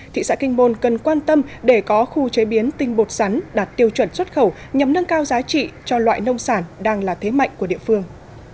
thị xã kinh môn cần quan tâm để có khu chế biến tinh bột sắn đạt tiêu chuẩn xuất khẩu nhằm nâng cao giá trị cho loại nông sản đang là thế mạnh của địa phương